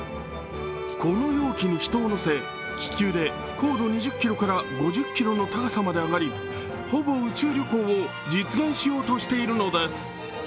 この容器に人を乗せ、気球で高度２０キロから５０キロの高さまで上がりほぼ宇宙旅行を実現しようとしているのです。